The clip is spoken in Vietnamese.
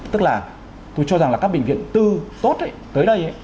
tức là tôi cho rằng là các bệnh viện tư tốt ấy tới đây ấy